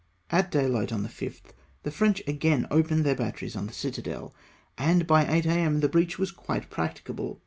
At dayHght on the 5th, the French again opened their batteries on the citadel, and by 8 a.m. the breach was quite practicable.